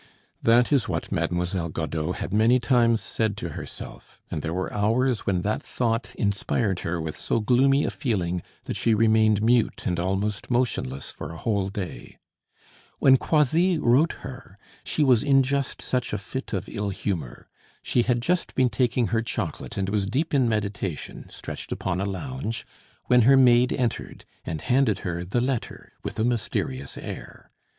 That is what Mademoiselle Godeau had many times said to herself; and there were hours when that thought inspired her with so gloomy a feeling that she remained mute and almost motionless for a whole day. When Croisilles wrote her, she was in just such a fit of ill humor. She had just been taking her chocolate and was deep in meditation, stretched upon a lounge, when her maid entered and handed her the letter with a mysterious air.